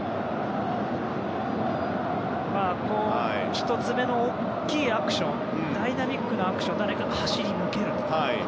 １つ目の大きいアクションダイナミックなアクション走り抜けるとかね。